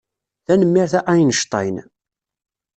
Tanemmirt a Einstein.